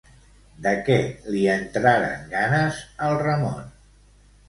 De què li entraren ganes al Ramon?